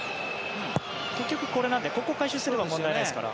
結局これなのでここを回収すれば問題ないですから。